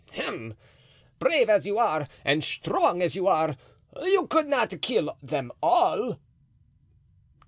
"Hem! brave as you are and strong as you are, you could not kill them all."